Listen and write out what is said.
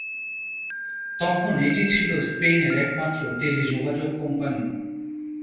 তখন এটি ছিল স্পেনের একমাত্র টেলিযোগাযোগ কোম্পানি।